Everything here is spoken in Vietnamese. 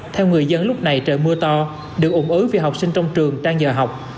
theo người dân lúc này trời mưa to được ủng ứ vì học sinh trong trường đang nhờ học